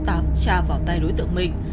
tra vào tay đối tượng mình